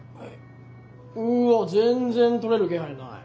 うわ全然取れる気配ない。